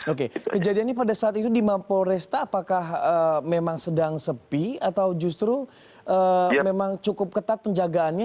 oke kejadian ini pada saat itu di polresta apakah memang sedang sepi atau justru memang cukup ketat penjagaannya